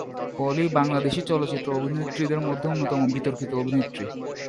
পলি বাংলাদেশী চলচ্চিত্র অভিনেত্রীদের মধ্যে অন্যতম বিতর্কিত অভিনেত্রী।